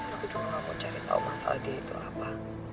dan aku juga nggak mau cari tahu masalah dia itu apa